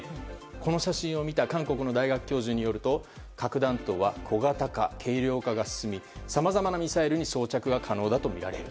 この写真を見た韓国の大学教授によると核弾頭は小型化・軽量化が進みさまざまなミサイルに装着が可能だとみられる。